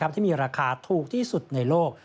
ที่มีราคาถูกที่สุดในโลก